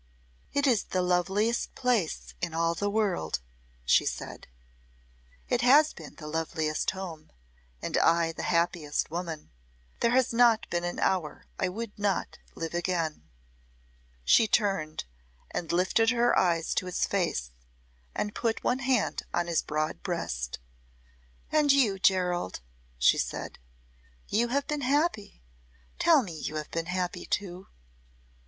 "It is the loveliest place in all the world," she said. "It has been the loveliest home and I the happiest woman. There has not been an hour I would not live again." She turned and lifted her eyes to his face and put one hand on his broad breast. "And you, Gerald," she said; "you have been happy. Tell me you have been happy, too."